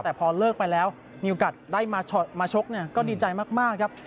แต่พอเลิกไปแล้วมีโอกาสได้มาชกเนี่ยก็ดีใจมากครับ